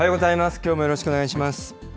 きょうもよろしくお願いします。